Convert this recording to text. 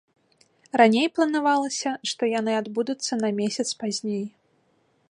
Раней планавалася, што яны адбудуцца на месяц пазней.